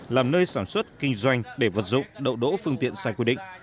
làm nơi sản xuất kinh doanh để vật dụng đậu đỗ phương tiện sai quy định